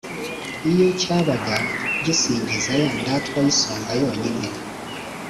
iyo cyabaga gisingiza ya ndatwa y’isonga yonyine